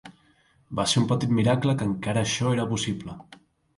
Va ser un petit miracle que encara això era possible.